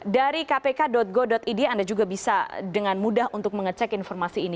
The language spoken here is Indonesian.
dari kpk go id anda juga bisa dengan mudah untuk mengecek informasi ini